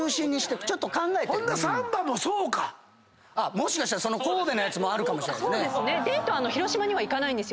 もしかしたらその神戸のやつもあるかもしれないね。